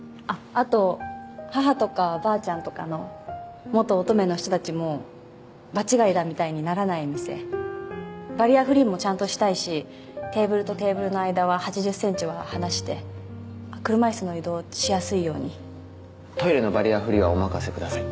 あと母とかばあちゃんとかの元乙女の人たちも場違いだみたいにならない店バリアフリーもちゃんとしたいしテーブルとテーブルの間は８０センチは離してあっ車椅子の移動しやすいようにトイレのバリアフリーはお任せください